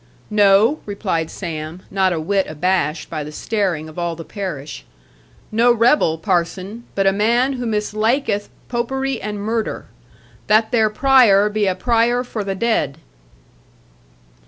'No,' replied Sam, not a whit abashed by the staring of all the parish; 'no rebel, parson; but a man who mislaiketh popery and murder. That there prai er be a prai er for the dead.'